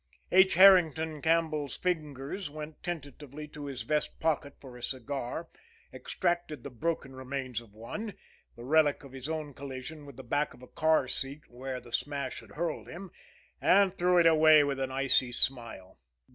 H. Herrington Campbell's fingers went tentatively to his vest pocket for a cigar, extracted the broken remains of one the relic of his own collision with the back of a car seat where the smash had hurled him and threw it away with an icy smile.